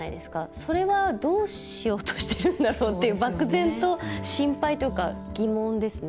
それはどうしようとしているんだろうっていう漠然と心配というか疑問ですね。